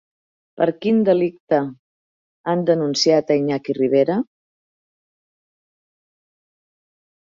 Per quin delicte han denunciat a Iñaki Rivera?